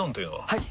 はい！